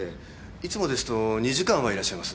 いつもですと２時間はいらっしゃいます。